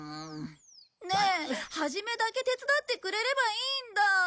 ねえ初めだけ手伝ってくれればいいんだ。